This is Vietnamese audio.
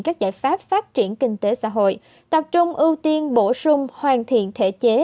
các giải pháp phát triển kinh tế xã hội tập trung ưu tiên bổ sung hoàn thiện thể chế